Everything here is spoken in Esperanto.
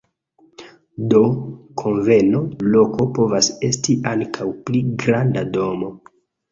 Do, konvena loko povas esti ankaŭ pli granda domo.